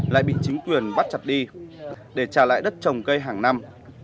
lại bị chính quyền bắt chặt đi để trả lại đất trồng cây hàng năm